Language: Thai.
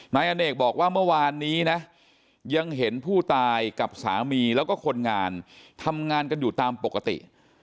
นายอเนกบอกว่าเมื่อวานนี้นะยังเห็นผู้ตายกับสามีแล้วก็คนงานทำงานกันอยู่ตามปกติ